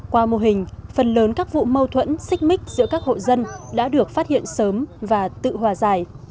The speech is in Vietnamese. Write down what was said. qua mô hình phần lớn các vụ mâu thuẫn xích mích giữa các hộ dân đã được phát hiện sớm và tự hòa giải